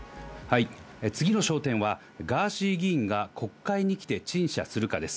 次の焦点はガーシー議員が国会に来て陳謝するかです。